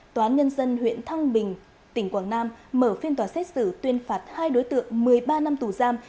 tòa án nhân dân huyện thăng bình tỉnh quảng nam mở phiên tòa xét xử tuyên phạt hai đối tượng một mươi ba năm tù giam